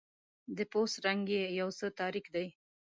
د پوست رنګ یې یو څه تاریک دی.